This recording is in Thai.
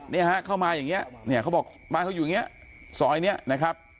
เนี่ยฮะเข้ามาอย่างนี้เขาบอกบ้านเขาอยู่อย่างนี้ซอยนี้นะครับ